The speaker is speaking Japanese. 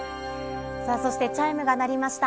さあそして、チャイムが鳴りました。